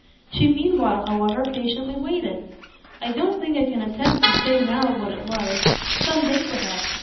She meanwhile, however, patiently waited. "I don't think I can attempt to say now what it was. Some day perhaps.